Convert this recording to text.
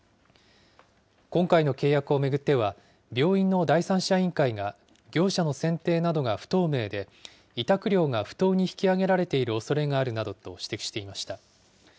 今回の契約を巡っては、病院の第三者委員会が業者の選定などが不透明で、委託料が不当に引き上げられているおそれがあるなどと指摘していました。